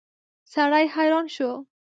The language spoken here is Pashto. سړی حیران شو.